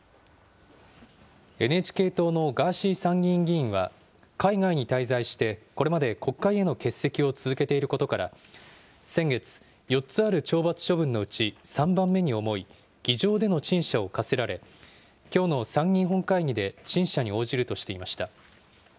ＮＨＫ党のガーシー参議院議員は、海外に滞在してこれまで国会への欠席を続けていることから、先月、４つある懲罰処分のうち３番目に重い、議場での陳謝を科せられ、きょうの参議院本会議で陳謝に応じるとしていました。